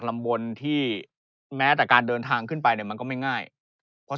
ลำบลที่แม้แต่การเดินทางขึ้นไปเนี่ยมันก็ไม่ง่ายเพราะ